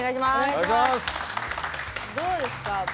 どうですか？